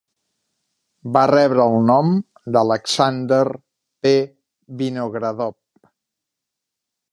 Va rebre el nom d'Aleksandr P. Vinogradov.